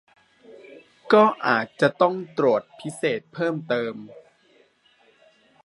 ก็อาจจะต้องตรวจพิเศษเพิ่มเติม